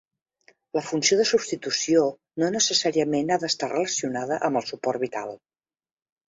La funció de substitució no necessàriament ha d'estar relacionada amb el suport vital.